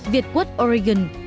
việt quất oregon